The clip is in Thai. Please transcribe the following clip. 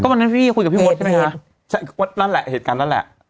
เข้าไล่วันเสาร์